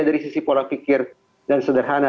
dari sisi pola pikir yang sederhana